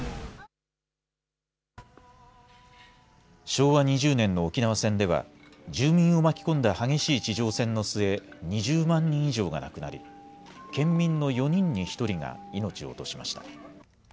昭和２０年の沖縄戦では住民を巻き込んだ激しい地上戦の末２０万人以上が亡くなり県民の４人に１人が命を落としました。